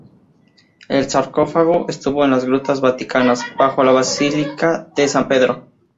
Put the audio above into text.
El sarcófago estuvo en las Grutas Vaticanas, bajo la basílica de San Pedro.